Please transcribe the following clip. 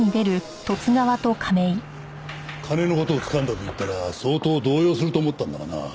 金の事をつかんだと言ったら相当動揺すると思ったんだがな。